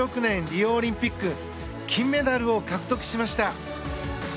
リオオリンピック金メダルを獲得しました。